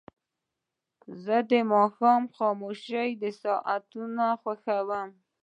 زه د ماښام خاموشه ساعتونه خوښوم.